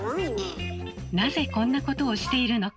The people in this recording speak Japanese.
なぜこんなことをしているのか。